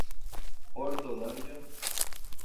Hortolândia